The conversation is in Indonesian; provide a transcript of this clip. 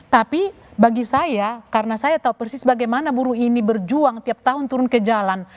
tapi bagi saya karena saya tahu persis bagaimana buruh ini berjuang tiap tahun turun ke jalan